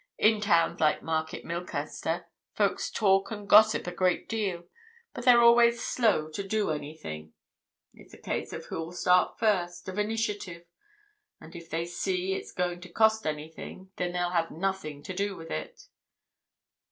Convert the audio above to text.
In towns like Market Milcaster folks talk and gossip a great deal, but they're always slow to do anything. It's a case of who'll start first—of initiative. And if they see it's going to cost anything—then they'll have nothing to do with it."